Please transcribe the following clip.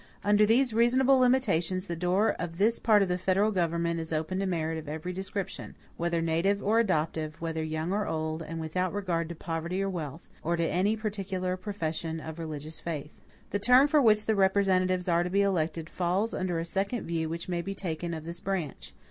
Under these reasonable limitations, the door of this part of the federal government is open to merit of every description, whether native or adoptive, whether young or old, and without regard to poverty or wealth, or to any particular profession of religious faith. The term for which the representatives are to be elected falls under a second view which may be taken of this branch.